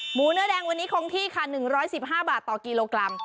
เนื้อแดงวันนี้คงที่ค่ะ๑๑๕บาทต่อกิโลกรัม